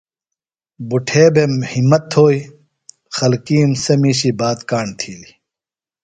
بُٹھے بھےۡ ہمت تھوئی۔ خلکِیم سےۡ مِیشی بات کاݨ تِھیلیۡ۔